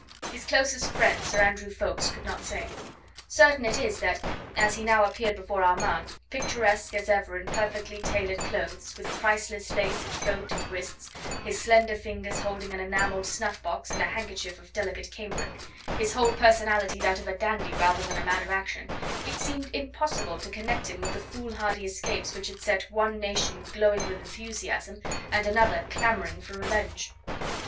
His closest friend, Sir Andrew Ffoulkes, could not say. Certain it is that, as he now appeared before Armand, picturesque as ever in perfectly tailored clothes, with priceless lace at throat and wrists, his slender fingers holding an enamelled snuff box and a handkerchief of delicate cambric, his whole personality that of a dandy rather than a man of action, it seemed impossible to connect him with the foolhardy escapades which had set one nation glowing with enthusiasm and another clamouring for revenge.